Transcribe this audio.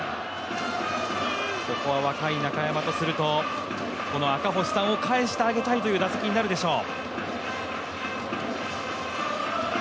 ここは若い中山とすると、赤星さんを帰してあげたいという打席になるでしょう。